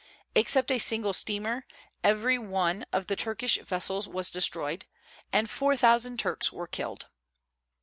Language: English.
Except a single steamer, every one of the Turkish vessels was destroyed, and four thousand Turks were killed.